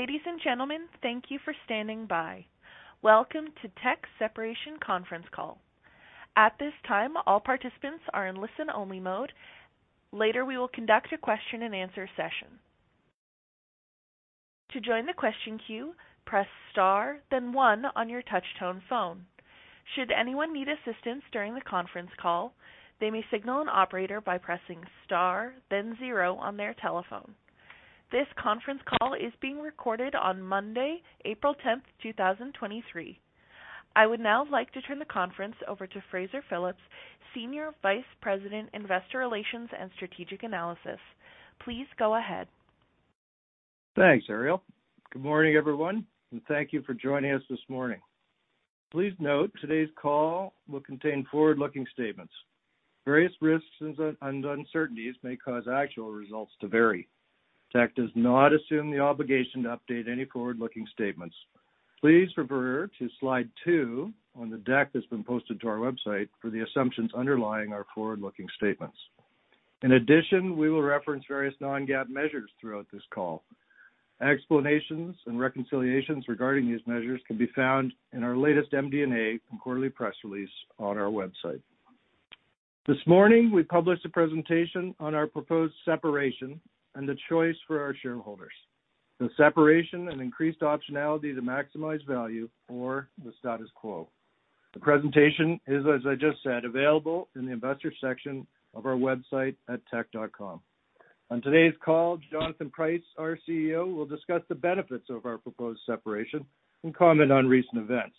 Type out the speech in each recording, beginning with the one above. Ladies and gentlemen, thank you for standing by. Welcome to Teck Separation Conference Call. At this time, all participants are in listen-only mode. Later, we will conduct a question-and-answer session. To join the question queue, press Star, then one on your touch-tone phone. Should anyone need assistance during the conference call, they may signal an operator by pressing Star then zero on their telephone. This conference call is being recorded on Monday, April 10th, 2023. I would now like to turn the conference over to Fraser Phillips, Senior Vice President, Investor Relations and Strategic Analysis. Please go ahead. Thanks, Ariel. Good morning, everyone, thank you for joining us this morning. Please note today's call will contain forward-looking statements. Various risks and uncertainties may cause actual results to vary. Teck does not assume the obligation to update any forward-looking statements. Please refer to slide two on the deck that's been posted to our website for the assumptions underlying our forward-looking statements. In addition, we will reference various non-GAAP measures throughout this call. Explanations and reconciliations regarding these measures can be found in our latest MD&A and quarterly press release on our website. This morning, we published a presentation on our proposed separation and the choice for our shareholders. The separation and increased optionality to maximize value for the status quo. The presentation is, as I just said, available in the investor section of our website at teck.com. On today's call, Jonathan Price, our CEO, will discuss the benefits of our proposed separation and comment on recent events.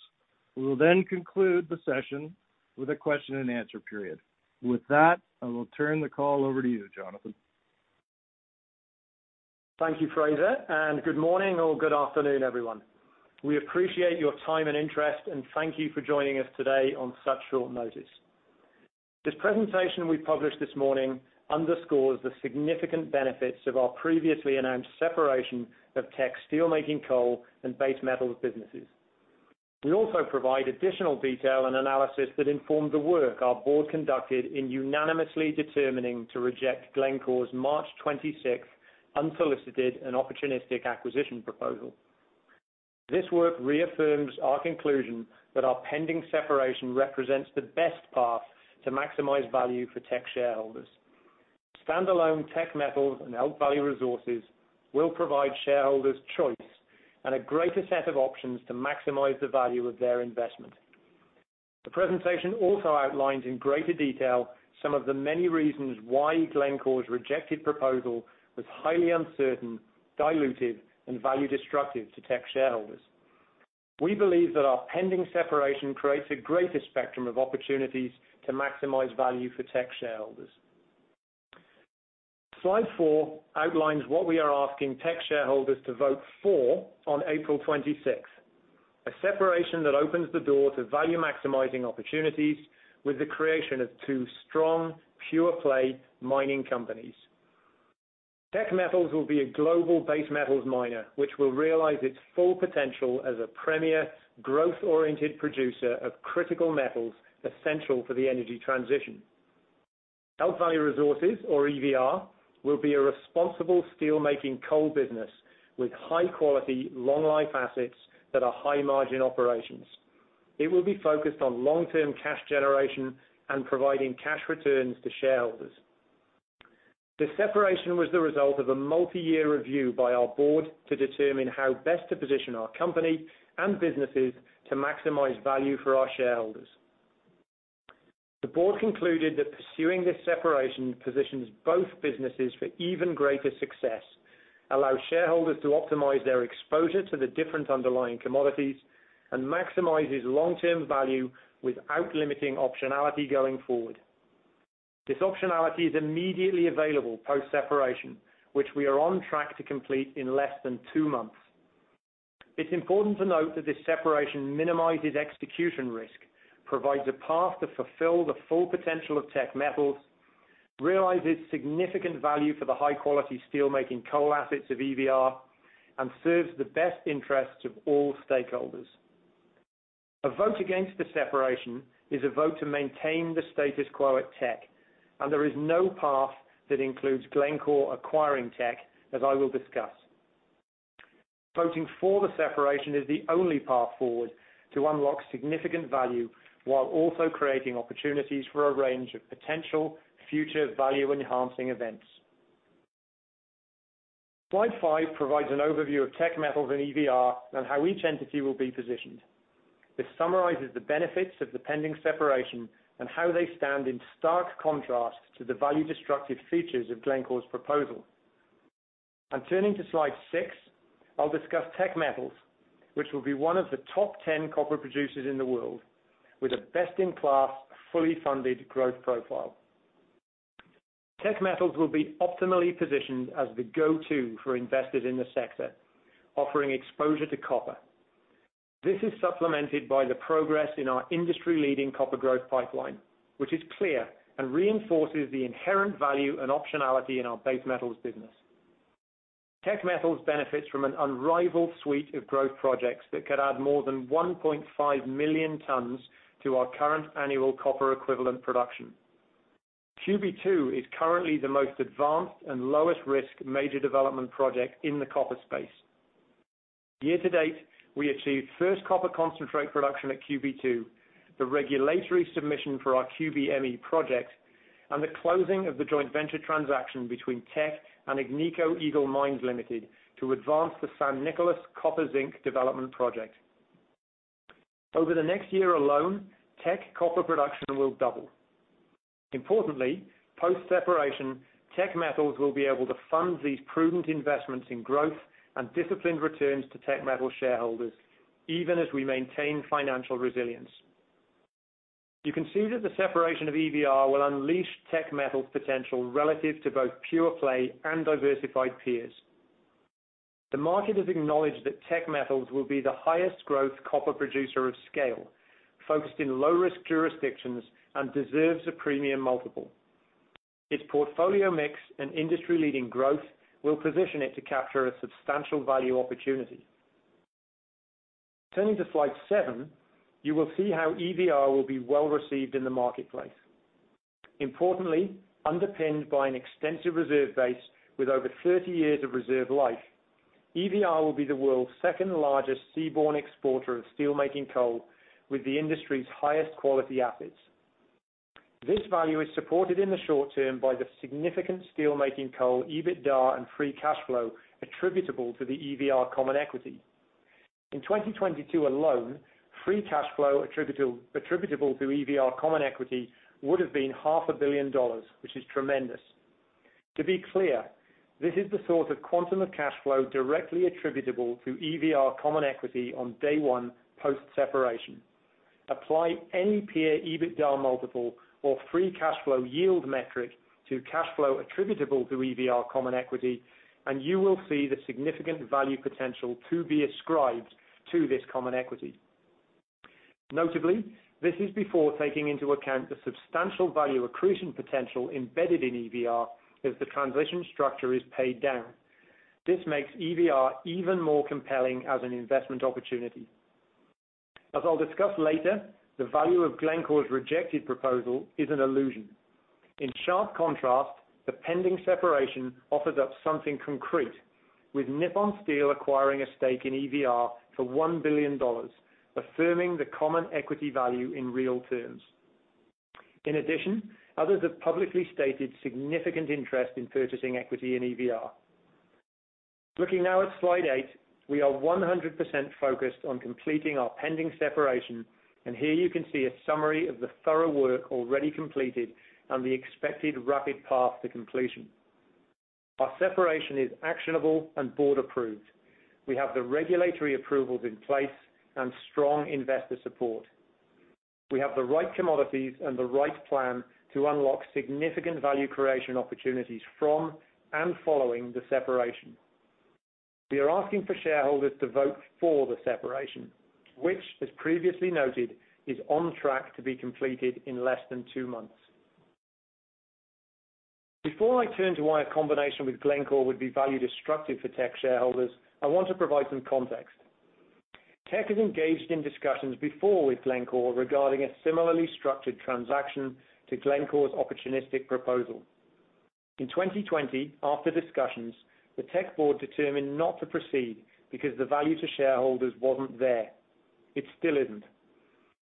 We will then conclude the session with a question-and-answer period. With that, I will turn the call over to you, Jonathan. Thank you, Fraser, and good morning or good afternoon, everyone. We appreciate your time and interest, and thank you for joining us today on such short notice. This presentation we published this morning underscores the significant benefits of our previously announced separation of Teck steelmaking coal and Base Metals businesses. We also provide additional detail and analysis that informed the work our board conducted in unanimously determining to reject Glencore's March 26th unsolicited and opportunistic acquisition proposal. This work reaffirms our conclusion that our pending separation represents the best path to maximize value for Teck shareholders. Standalone Teck Metals and Elk Valley Resources will provide shareholders choice and a greater set of options to maximize the value of their investment. The presentation also outlines in greater detail some of the many reasons why Glencore's rejected proposal was highly uncertain, diluted, and value destructive to Teck shareholders. We believe that our pending separation creates a greater spectrum of opportunities to maximize value for Teck shareholders. Slide four outlines what we are asking Teck shareholders to vote for on April 26th: a separation that opens the door to value-maximizing opportunities with the creation of two strong, pure-play mining companies. Teck Metals will be a global base metals miner, which will realize its full potential as a premier growth-oriented producer of critical metals essential for the energy transition. Elk Valley Resources, or EVR, will be a responsible steelmaking coal business with high-quality, long-life assets that are high-margin operations. It will be focused on long-term cash generation and providing cash returns to shareholders. The separation was the result of a multi-year review by our board to determine how best to position our company and businesses to maximize value for our shareholders. The board concluded that pursuing this separation positions both businesses for even greater success, allows shareholders to optimize their exposure to the different underlying commodities, and maximizes long-term value without limiting optionality going forward. This optionality is immediately available post-separation, which we are on track to complete in less than two months. It's important to note that this separation minimizes execution risk, provides a path to fulfill the full potential of Teck Metals, realize its significant value for the high-quality steelmaking coal assets of EVR, and serves the best interests of all stakeholders. A vote against the separation is a vote to maintain the status quo at Teck, and there is no path that includes Glencore acquiring Teck, as I will discuss. Voting for the separation is the only path forward to unlock significant value while also creating opportunities for a range of potential future value-enhancing events. Slide five provides an overview of Teck Metals and EVR and how each entity will be positioned. This summarizes the benefits of the pending separation and how they stand in stark contrast to the value-destructive features of Glencore's proposal. Turning to slide six, I'll discuss Teck Metals, which will be one of the top 10 copper producers in the world with a best-in-class, fully funded growth profile. Teck Metals will be optimally positioned as the go-to for investors in the sector, offering exposure to copper. This is supplemented by the progress in our industry-leading copper growth pipeline, which is clear and reinforces the inherent value and optionality in our base metals business. Teck Metals benefits from an unrivaled suite of growth projects that could add more than 1.5 million tons to our current annual copper equivalent production. QB2 is currently the most advanced and lowest risk major development project in the copper space. Year-to-date, we achieved first copper concentrate production at QB2, the regulatory submission for our QB ME project, and the closing of the joint venture transaction between Teck and Agnico Eagle Mines Limited to advance the San Nicolás copper zinc development project. Over the next year alone, Teck copper production will double. Importantly, post-separation, Teck Metals will be able to fund these prudent investments in growth and disciplined returns to Teck Metals shareholders even as we maintain financial resilience. You can see that the separation of EVR will unleash Teck Metals potential relative to both pure-play and diversified peers. The market has acknowledged that Teck Metals will be the highest growth copper producer of scale focused in low-risk jurisdictions and deserves a premium multiple. Its portfolio mix and industry-leading growth will position it to capture a substantial value opportunity. Turning to slide seven, you will see how EVR will be well-received in the marketplace. Importantly, underpinned by an extensive reserve base with over 30 years of reserve life, EVR will be the world's second-largest seaborne exporter of steelmaking coal with the industry's highest quality assets. This value is supported in the short term by the significant steelmaking coal, EBITDA and free cash flow attributable to the EVR common equity. In 2022 alone, free cash flow attributable to EVR common equity would have been half a billion dollars, which is tremendous. To be clear, this is the sort of quantum of cash flow directly attributable to EVR common equity on day one post-separation. Apply any peer EBITDA multiple or free cash flow yield metric to cash flow attributable to EVR common equity, and you will see the significant value potential to be ascribed to this common equity. Notably, this is before taking into account the substantial value accretion potential embedded in EVR as the transition structure is paid down. This makes EVR even more compelling as an investment opportunity. As I'll discuss later, the value of Glencore's rejected proposal is an illusion. In sharp contrast, the pending separation offers up something concrete with Nippon Steel acquiring a stake in EVR for 1 billion dollars, affirming the common equity value in real terms. In addition, others have publicly stated significant interest in purchasing equity in EVR. Looking now at slide eight, we are 100% focused on completing our pending separation, and here you can see a summary of the thorough work already completed and the expected rapid path to completion. Our separation is actionable and board-approved. We have the regulatory approvals in place and strong investor support. We have the right commodities and the right plan to unlock significant value creation opportunities from and following the separation. We are asking for shareholders to vote for the separation, which, as previously noted, is on track to be completed in less than two months. Before I turn to why a combination with Glencore would be value destructive for Teck shareholders, I want to provide some context. Teck has engaged in discussions before with Glencore regarding a similarly structured transaction to Glencore's opportunistic proposal. In 2020, after discussions, the Teck board determined not to proceed because the value to shareholders wasn't there. It still isn't.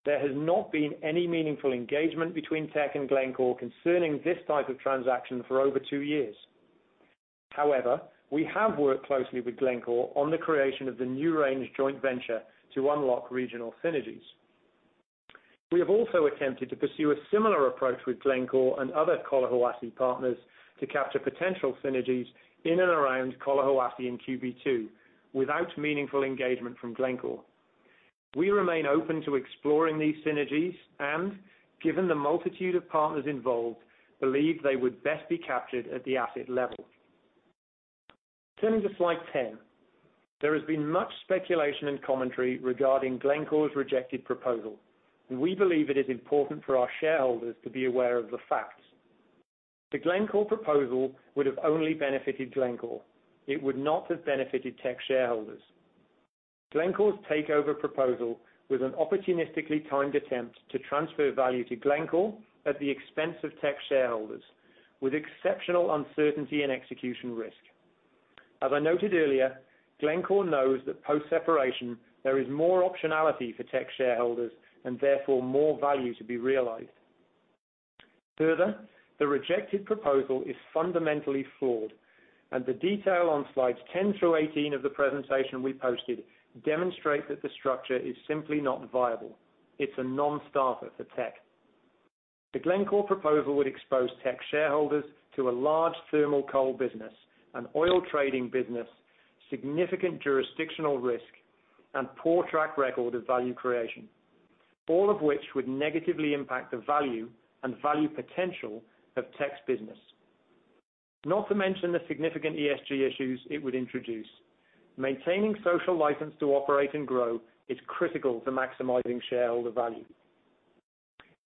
There has not been any meaningful engagement between Teck and Glencore concerning this type of transaction for over two years. However, we have worked closely with Glencore on the creation of the NewRange joint venture to unlock regional synergies. We have also attempted to pursue a similar approach with Glencore and other Collahuasi partners to capture potential synergies in and around Collahuasi and QB2 without meaningful engagement from Glencore. We remain open to exploring these synergies and given the multitude of partners involved, believe they would best be captured at the asset level. Turning to slide 10. There has been much speculation and commentary regarding Glencore's rejected proposal. We believe it is important for our shareholders to be aware of the facts. The Glencore proposal would have only benefited Glencore. It would not have benefited Teck shareholders. Glencore's takeover proposal was an opportunistically timed attempt to transfer value to Glencore at the expense of Teck shareholders with exceptional uncertainty and execution risk. As I noted earlier, Glencore knows that post-separation, there is more optionality for Teck shareholders and therefore more value to be realized. The rejected proposal is fundamentally flawed and the detail on slides 10 through 18 of the presentation we posted demonstrate that the structure is simply not viable. It's a non-starter for Teck. The Glencore proposal would expose Teck shareholders to a large thermal coal business, an oil trading business, significant jurisdictional risk, and poor track record of value creation, all of which would negatively impact the value and value potential of Teck's business. Not to mention the significant ESG issues it would introduce. Maintaining social license to operate and grow is critical to maximizing shareholder value.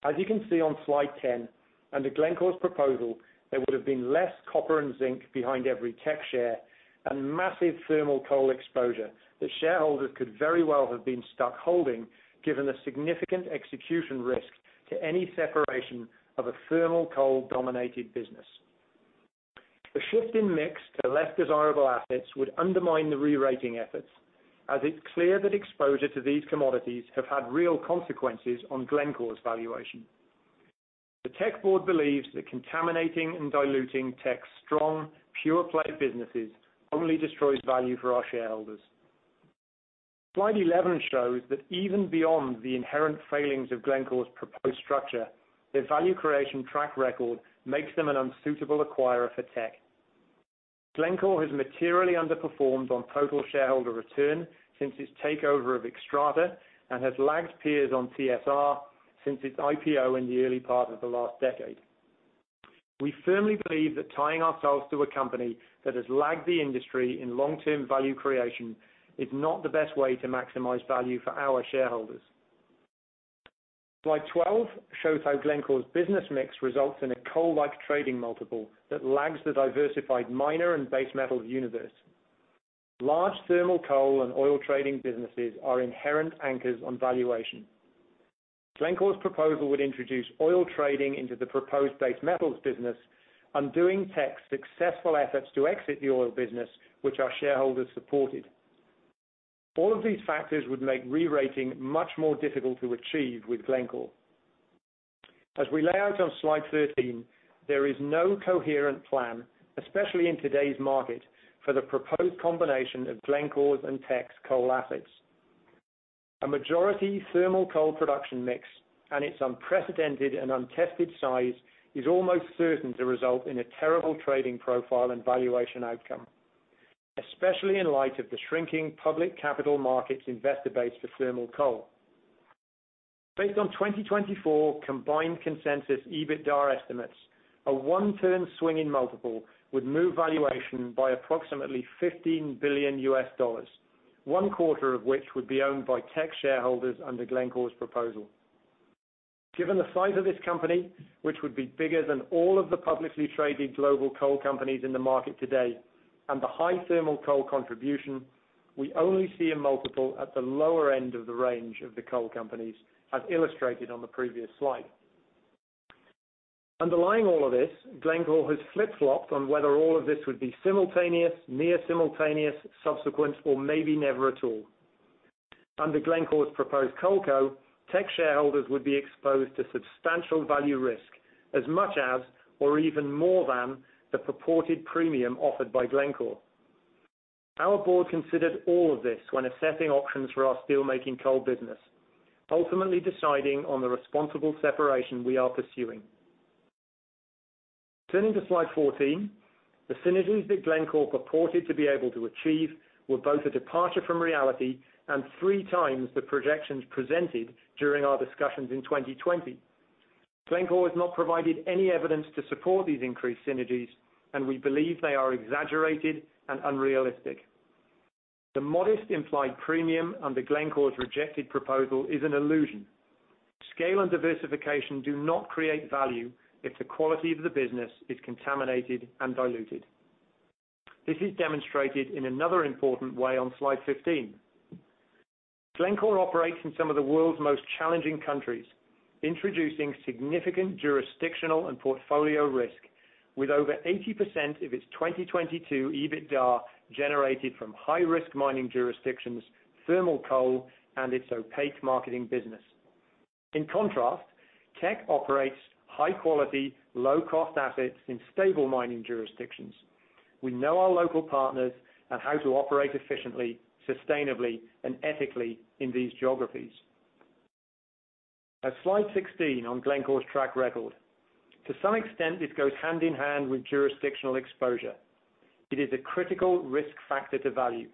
As you can see on slide 10, under Glencore's proposal, there would have been less copper and zinc behind every Teck share and massive thermal coal exposure that shareholders could very well have been stuck holding given the significant execution risk to any separation of a thermal coal-dominated business. The shift in mix to less desirable assets would undermine the re-rating efforts, as it's clear that exposure to these commodities have had real consequences on Glencore's valuation. The Teck board believes that contaminating and diluting Teck's strong, pure play businesses only destroys value for our shareholders. Slide 11 shows that even beyond the inherent failings of Glencore's proposed structure, their value creation track record makes them an unsuitable acquirer for Teck. Glencore has materially underperformed on total shareholder return since its takeover of Xstrata and has lagged peers on TSR since its IPO in the early part of the last decade. We firmly believe that tying ourselves to a company that has lagged the industry in long-term value creation is not the best way to maximize value for our shareholders. Slide 12 shows how Glencore's business mix results in a coal-like trading multiple that lags the diversified miner and base metal universe. Large thermal coal and oil trading businesses are inherent anchors on valuation. Glencore's proposal would introduce oil trading into the proposed base metals business, undoing Teck's successful efforts to exit the oil business, which our shareholders supported. All of these factors would make re-rating much more difficult to achieve with Glencore. As we lay out on slide 13, there is no coherent plan, especially in today's market, for the proposed combination of Glencore's and Teck's coal assets. A majority thermal coal production mix and its unprecedented and untested size is almost certain to result in a terrible trading profile and valuation outcome, especially in light of the shrinking public capital markets investor base for thermal coal. Based on 2024 combined consensus EBITDA estimates, a 1 turn swing in multiple would move valuation by approximately CAD 15 billion, one quarter of which would be owned by Teck shareholders under Glencore's proposal. Given the size of this company, which would be bigger than all of the publicly traded global coal companies in the market today, and the high thermal coal contribution, we only see a multiple at the lower end of the range of the coal companies, as illustrated on the previous slide. Underlying all of this, Glencore has flip-flopped on whether all of this would be simultaneous, near-simultaneous, subsequent, or maybe never at all. Under Glencore's proposed CoalCo, Teck shareholders would be exposed to substantial value risk as much as or even more than the purported premium offered by Glencore. Our board considered all of this when assessing options for our steelmaking coal business, ultimately deciding on the responsible separation we are pursuing. Turning to slide 14, the synergies that Glencore purported to be able to achieve were both a departure from reality and 3 times the projections presented during our discussions in 2020. Glencore has not provided any evidence to support these increased synergies, and we believe they are exaggerated and unrealistic. The modest implied premium under Glencore's rejected proposal is an illusion. Scale and diversification do not create value if the quality of the business is contaminated and diluted. This is demonstrated in another important way on slide 15. Glencore operates in some of the world's most challenging countries, introducing significant jurisdictional and portfolio risk with over 80% of its 2022 EBITDA generated from high-risk mining jurisdictions, thermal coal, and its opaque marketing business. In contrast, Teck operates high quality, low-cost assets in stable mining jurisdictions. We know our local partners and how to operate efficiently, sustainably, and ethically in these geographies. At slide 16 on Glencore's track record. To some extent, this goes hand in hand with jurisdictional exposure. It is a critical risk factor to value.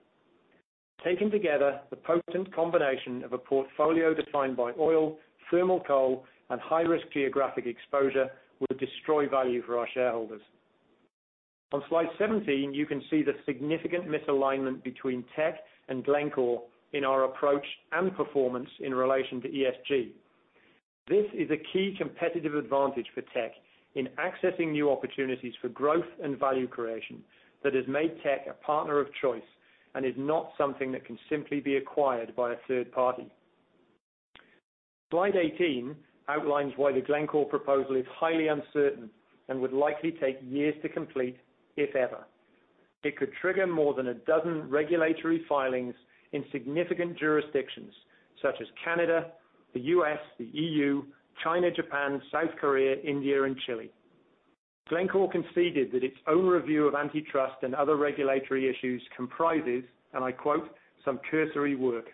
Taken together, the potent combination of a portfolio defined by oil, thermal coal, and high-risk geographic exposure would destroy value for our shareholders. On slide 17, you can see the significant misalignment between Teck and Glencore in our approach and performance in relation to ESG. This is a key competitive advantage for Teck in accessing new opportunities for growth and value creation that has made Teck a partner of choice and is not something that can simply be acquired by a third party. Slide 18 outlines why the Glencore proposal is highly uncertain and would likely take years to complete, if ever. It could trigger more than a dozen regulatory filings in significant jurisdictions such as Canada, the U.S., the EU, China, Japan, South Korea, India, and Chile. Glencore conceded that its own review of antitrust and other regulatory issues comprises, and I quote, "Some cursory work."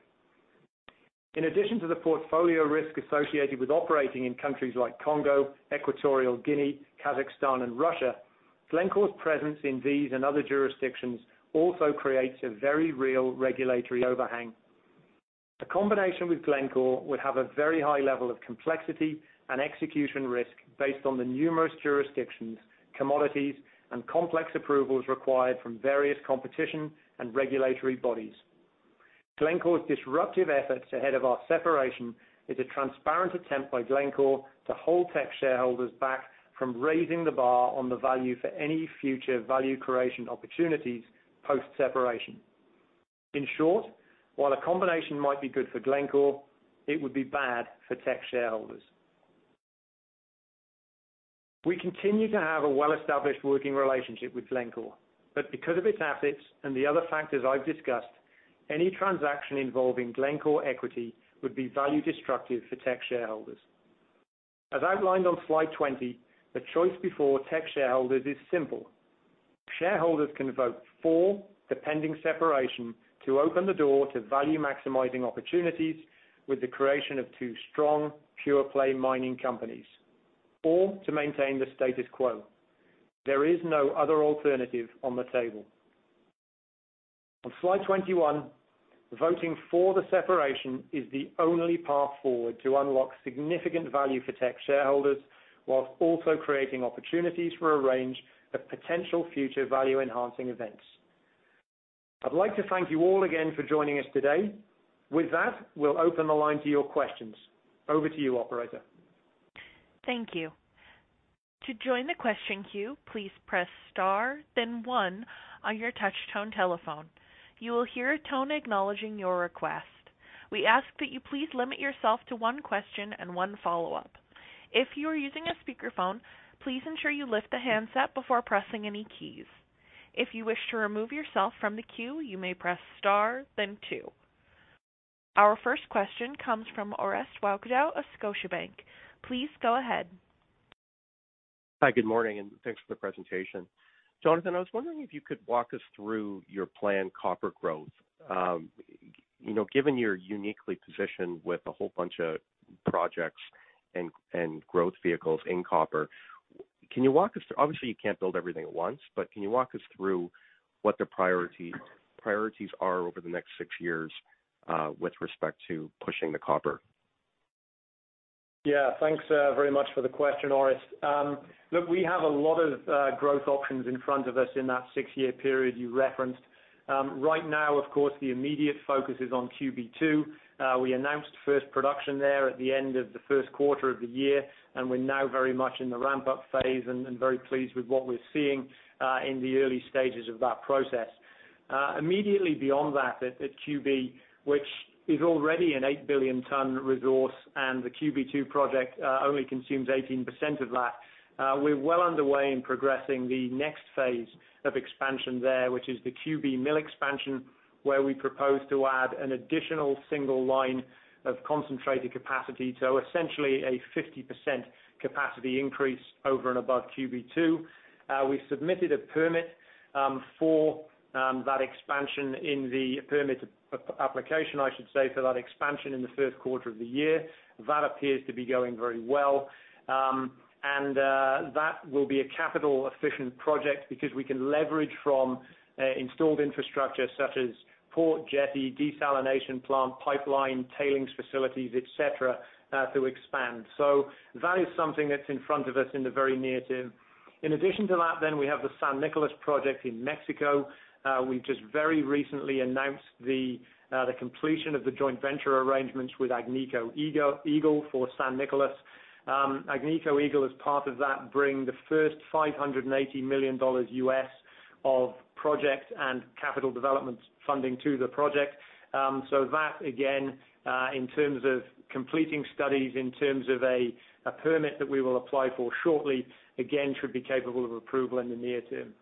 In addition to the portfolio risk associated with operating in countries like Congo, Equatorial Guinea, Kazakhstan, and Russia, Glencore's presence in these and other jurisdictions also creates a very real regulatory overhang. The combination with Glencore would have a very high level of complexity and execution risk based on the numerous jurisdictions, commodities, and complex approvals required from various competition and regulatory bodies. Glencore's disruptive efforts ahead of our separation is a transparent attempt by Glencore to hold Teck shareholders back from raising the bar on the value for any future value creation opportunities post-separation. In short, while a combination might be good for Glencore, it would be bad for Teck shareholders. We continue to have a well-established working relationship with Glencore, but because of its assets and the other factors I've discussed, any transaction involving Glencore equity would be value destructive for Teck shareholders. As outlined on slide 20, the choice before Teck shareholders is simple. Shareholders can vote for the pending separation to open the door to value-maximizing opportunities with the creation of two strong, pure-play mining companies, or to maintain the status quo. There is no other alternative on the table. On slide 21, voting for the separation is the only path forward to unlock significant value for Teck shareholders, while also creating opportunities for a range of potential future value-enhancing events. I'd like to thank you all again for joining us today. With that, we'll open the line to your questions. Over to you, Operator. Thank you. To join the question queue, please press star then one on your touch tone telephone. You will hear a tone acknowledging your request. We ask that you please limit yourself to one question and one follow-up. If you are using a speakerphone, please ensure you lift the handset before pressing any keys. If you wish to remove yourself from the queue, you may press star then two. Our first question comes from Orest Wowkodaw of Scotiabank. Please go ahead. Hi, good morning, and thanks for the presentation. Jonathan, I was wondering if you could walk us through your planned copper growth. You know, given you're uniquely positioned with a whole bunch of projects and growth vehicles in copper, obviously you can't build everything at once, but can you walk us through what the priorities are over the next six years, with respect to pushing the copper? Thanks very much for the question, Orest. Look, we have a lot of growth options in front of us in that 6-year period you referenced. Right now, of course, the immediate focus is on QB2. We announced first production there at the end of the first quarter of the year, and we're now very much in the ramp-up phase and very pleased with what we're seeing in the early stages of that process. Immediately beyond that at QB, which is already an 8 billion ton resource and the QB2 project only consumes 18% of that, we're well underway in progressing the next phase of expansion there, which is the QB mill expansion, where we propose to add an additional single line of concentrated capacity. Essentially a 50% capacity increase over and above QB2. We submitted a permit for that expansion in the permit application, I should say, for that expansion in the first quarter of the year. That appears to be going very well. That will be a capital efficient project because we can leverage from installed infrastructure such as port, jetty, desalination plant, pipeline, tailings facilities, et cetera, to expand. That is something that's in front of us in the very near term. In addition to that, we have the San Nicolás project in Mexico. We just very recently announced the completion of the joint venture arrangements with Agnico Eagle for San Nicolás. Agnico Eagle as part of that bring the first 580 million dollars of project and capital development funding to the project. That again, in terms of completing studies, in terms of a permit that we will apply for shortly, again, should be capable of approval in the near term.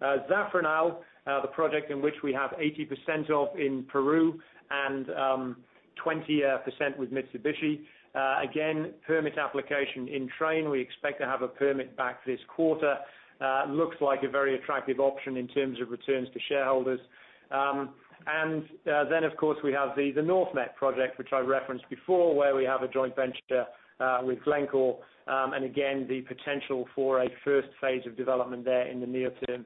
Zafranal, the project in which we have 80% of in Peru and 20% with Mitsubishi. Again, permit application in train. We expect to have a permit back this quarter. It looks like a very attractive option in terms of returns to shareholders. Of course, we have the NorthMet Project, which I referenced before, where we have a joint venture with Glencore, and again, the potential for a first phase of development there in the near term.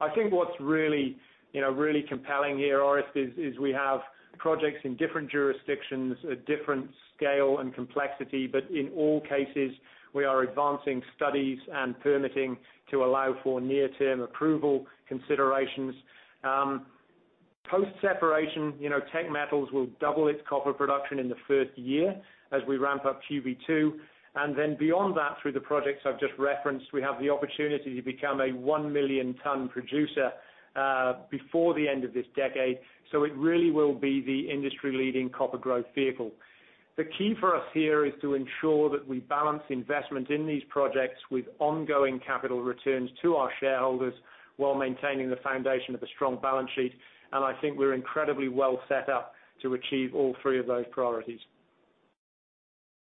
I think what's really, you know, really compelling here, Orest, is we have projects in different jurisdictions at different scale and complexity, but in all cases, we are advancing studies and permitting to allow for near-term approval considerations. Post-separation, you know, Teck Metals will double its copper production in the first year as we ramp up QB2. Beyond that, through the projects I've just referenced, we have the opportunity to become a 1 million ton producer before the end of this decade. It really will be the industry-leading copper growth vehicle. The key for us here is to ensure that we balance investment in these projects with ongoing capital returns to our shareholders while maintaining the foundation of a strong balance sheet. I think we're incredibly well set up to achieve all three of those priorities.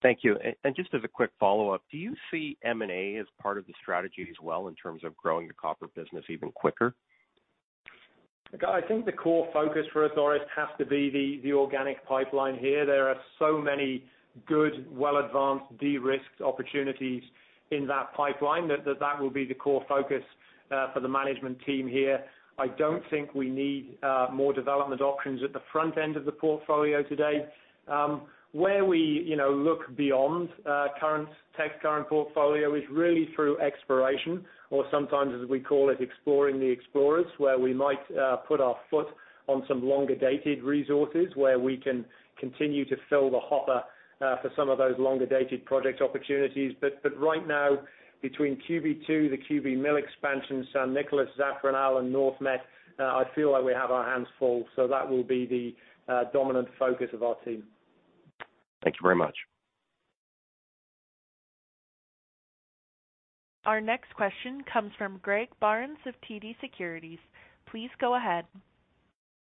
Thank you. Just as a quick follow-up, do you see M&A as part of the strategy as well in terms of growing the copper business even quicker? Look, I think the core focus for us, Orest, has to be the organic pipeline here. There are so many good, well-advanced, de-risked opportunities in that pipeline that will be the core focus for the management team here. I don't think we need more development options at the front end of the portfolio today. Where we, you know, look beyond Teck's current portfolio is really through exploration, or sometimes as we call it, exploring the explorers, where we might put our foot on some longer-dated resources where we can continue to fill the hopper for some of those longer-dated project opportunities. Right now, between QB2, the QB Mill Expansion, San Nicolás, Zafranal and NorthMet, I feel like we have our hands full. That will be the dominant focus of our team. Thank you very much. Our next question comes from Greg Barnes of TD Securities. Please go ahead.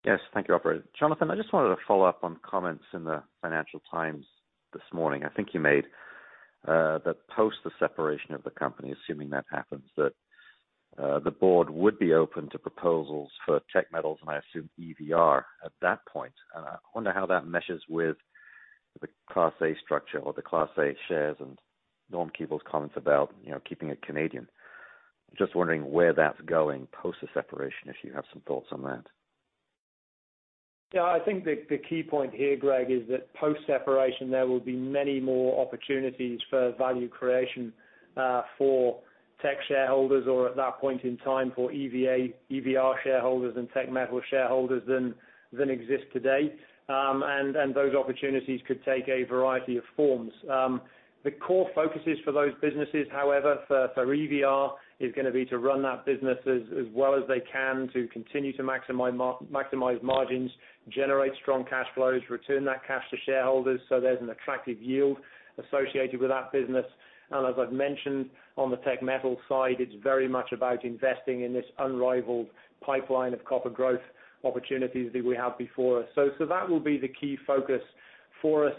Yes, thank you, operator. Jonathan, I just wanted to follow up on comments in the Financial Times this morning. I think you made that post the separation of the company, assuming that happens, that the board would be open to proposals for Teck Metals, and I assume EVR at that point. I wonder how that meshes with the Class A structure or the Class A shares and Norm Keevil's comments about, you know, keeping it Canadian. Just wondering where that's going post the separation, if you have some thoughts on that. I think the key point here, Greg, is that post-separation, there will be many more opportunities for value creation for Teck shareholders or at that point in time for EVR shareholders and Teck Metals shareholders than exist today. Those opportunities could take a variety of forms. The core focuses for those businesses, however, for EVR is gonna be to run that business as well as they can to continue to maximize margins, generate strong cash flows, return that cash to shareholders so there's an attractive yield associated with that business. As I've mentioned on the Teck Metals side, it's very much about investing in this unrivaled pipeline of copper growth opportunities that we have before us. That will be the key focus for us.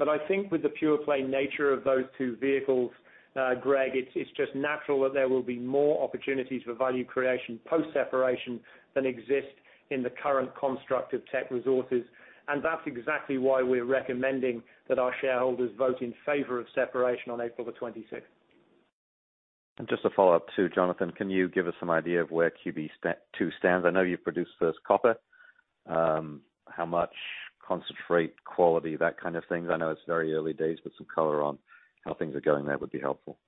I think with the pure play nature of those two vehicles, Greg, it's just natural that there will be more opportunities for value creation post-separation than exist in the current construct of Teck Resources. That's exactly why we're recommending that our shareholders vote in favor of separation on April the 26th. Just to follow up too, Jonathan, can you give us some idea of where QB two stands? I know you've produced first copper. How much concentrate quality, that kind of thing. I know it's very early days, but some color on how things are going there would be helpful.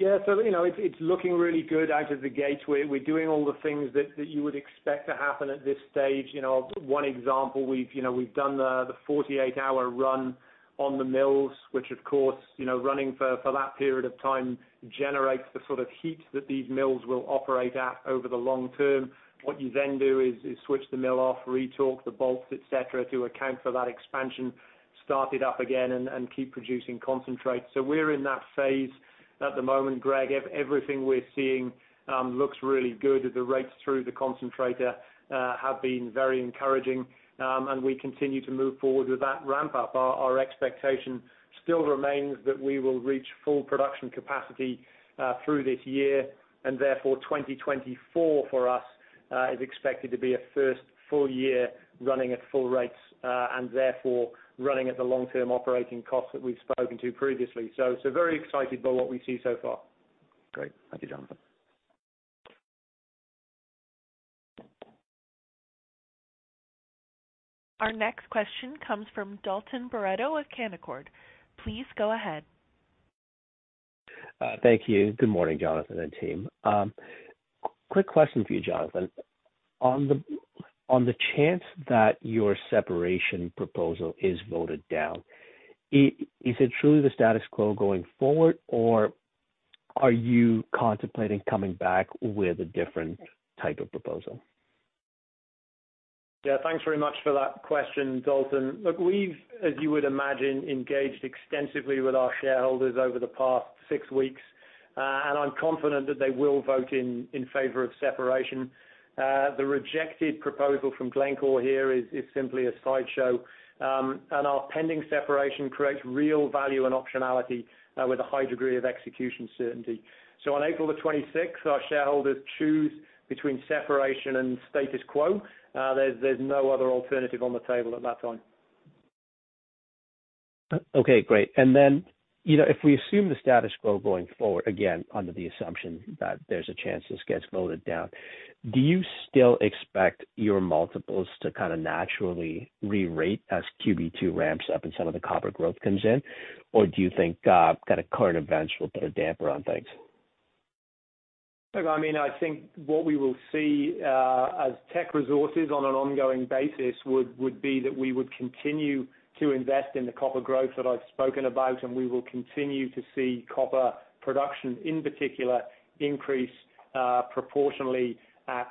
You know, it's looking really good out of the gate. We're doing all the things that you would expect to happen at this stage. You know, one example, we've, you know, we've done the 48-hour run on the mills, which of course, you know, running for that period of time generates the sort of heat that these mills will operate at over the long term. What you then do is switch the mill off, retorque the bolts, et cetera, to account for that expansion, start it up again and keep producing concentrates. We're in that phase at the moment, Greg. Everything we're seeing looks really good. The rates through the concentrator have been very encouraging, and we continue to move forward with that ramp up. Our expectation still remains that we will reach full production capacity through this year, and therefore 2024 for us is expected to be a first full year running at full rates and therefore running at the long-term operating costs that we've spoken to previously. Very excited by what we see so far. Great. Thank you, Jonathan. Our next question comes from Dalton Baretto of Canaccord. Please go ahead. Thank you. Good morning, Jonathan and team. Quick question for you, Jonathan. On the chance that your separation proposal is voted down, is it truly the status quo going forward, or are you contemplating coming back with a different type of proposal? Yeah. Thanks very much for that question, Dalton. Look, we've, as you would imagine, engaged extensively with our shareholders over the past six weeks, and I'm confident that they will vote in favor of separation. The rejected proposal from Glencore here is simply a sideshow. Our pending separation creates real value and optionality, with a high degree of execution certainty. On April the twenty-sixth, our shareholders choose between separation and status quo. There's no other alternative on the table at that time. Okay, great. You know, if we assume the status quo going forward, again, under the assumption that there's a chance this gets voted down, do you still expect your multiples to kind of naturally rerate as QB2 ramps up and some of the copper growth comes in? Do you think kind of current events will put a damper on things? Look, I mean, I think what we will see as Teck Resources on an ongoing basis would be that we would continue to invest in the copper growth that I've spoken about, and we will continue to see copper production in particular increase proportionally at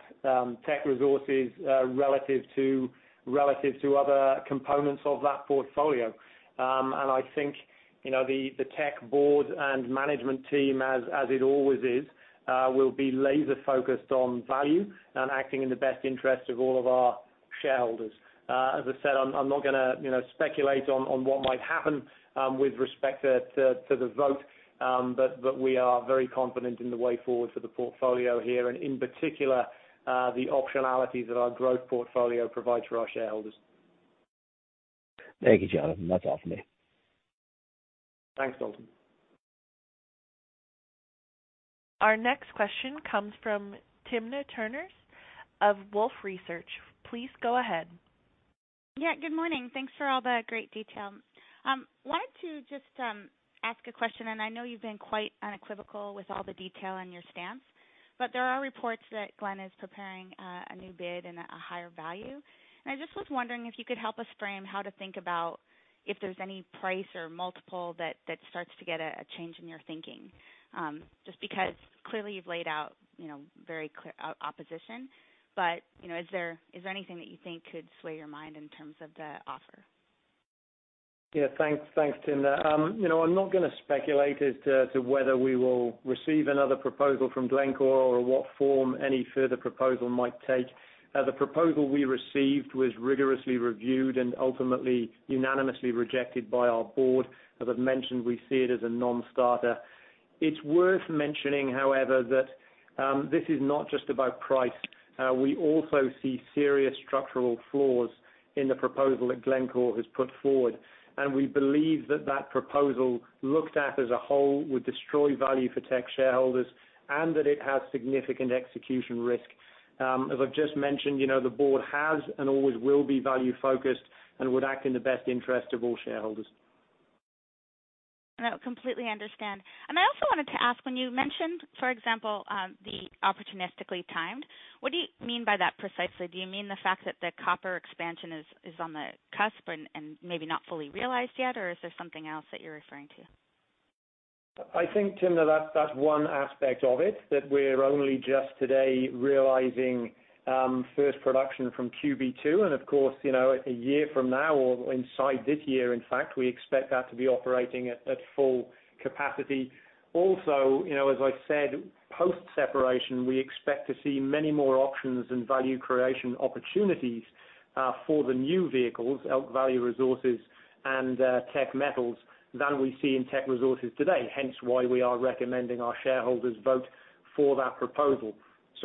Teck Resources relative to, relative to other components of that portfolio. I think, you know, the Teck board and management team, as it always is, will be laser-focused on value and acting in the best interest of all of our shareholders. As I said, I'm not gonna, you know, speculate on what might happen with respect to the vote. We are very confident in the way forward for the portfolio here and in particular, the optionality that our growth portfolio provides for our shareholders. Thank you, Jonathan. That's all for me. Thanks, Dalton. Our next question comes from Timna Tanners of Wolfe Research. Please go ahead. Yeah. Good morning. Thanks for all the great detail. Wanted to just ask a question, and I know you've been quite unequivocal with all the detail and your stance, but there are reports that Glencore is preparing a new bid and a higher value. I just was wondering if you could help us frame how to think about if there's any price or multiple that starts to get a change in your thinking. Just because clearly you've laid out, you know, very clear opposition, but, you know, is there anything that you think could sway your mind in terms of the offer? Yeah. Thanks. Thanks, Tina. You know, I'm not gonna speculate as to whether we will receive another proposal from Glencore or what form any further proposal might take. The proposal we received was rigorously reviewed and ultimately unanimously rejected by our board. As I've mentioned, we see it as a non-starter. It's worth mentioning, however, that this is not just about price. We also see serious structural flaws in the proposal that Glencore has put forward, and we believe that proposal looked at as a whole would destroy value for Teck shareholders and that it has significant execution risk. As I've just mentioned, you know, the board has and always will be value-focused and would act in the best interest of all shareholders. No, completely understand. I also wanted to ask, when you mentioned, for example, the opportunistically timed, what do you mean by that precisely? Do you mean the fact that the copper expansion is on the cusp and maybe not fully realized yet, or is there something else that you're referring to? I think, Tina, that's one aspect of it, that we're only just today realizing first production from QB2. Of course, you know, a year from now or inside this year, in fact, we expect that to be operating at full capacity. Also, you know, as I said, post-separation, we expect to see many more options and value creation opportunities for the new vehicles, Elk Valley Resources and Teck Metals, than we see in Teck Resources today, hence why we are recommending our shareholders vote for that proposal.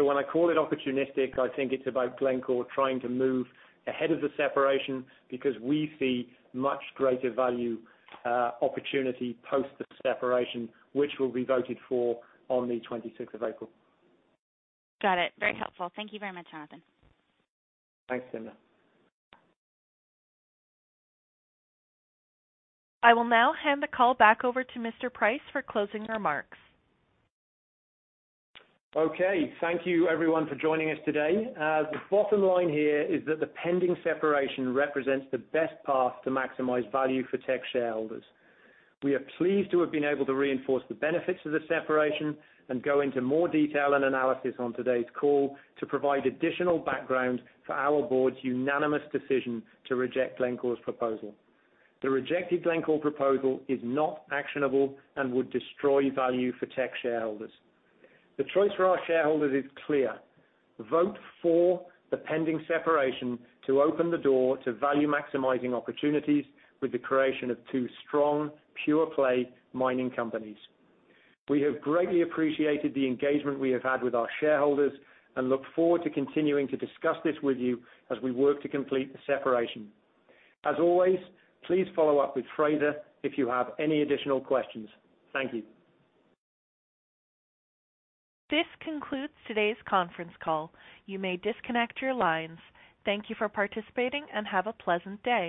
When I call it opportunistic, I think it's about Glencore trying to move ahead of the separation because we see much greater value opportunity post the separation, which will be voted for on the 26th of April. Got it. Very helpful. Thank you very much, Jonathan. Thanks, Tina. I will now hand the call back over to Mr. Price for closing remarks. Okay. Thank you everyone for joining us today. The bottom line here is that the pending separation represents the best path to maximize value for Teck shareholders. We are pleased to have been able to reinforce the benefits of the separation and go into more detail and analysis on today's call to provide additional background for our board's unanimous decision to reject Glencore's proposal. The rejected Glencore proposal is not actionable and would destroy value for Teck shareholders. The choice for our shareholders is clear: Vote for the pending separation to open the door to value-maximizing opportunities with the creation of two strong, pure-play mining companies. We have greatly appreciated the engagement we have had with our shareholders and look forward to continuing to discuss this with you as we work to complete the separation. As always, please follow up with Fraser if you have any additional questions. Thank you. This concludes today's conference call. You may disconnect your lines. Thank you for participating, and have a pleasant day.